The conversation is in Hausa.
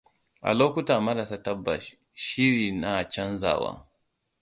A lokuta marasa tabbas shiri na chanjawa.